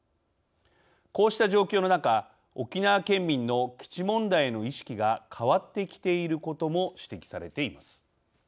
こうした状況の中沖縄県民の基地問題への意識が変わってきていることも指摘されています。